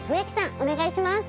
お願いします。